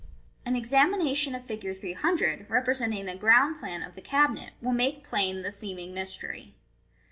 An examination of Fig. 300, representing a ground plan of the cabinet, will make plain the seeming mystery.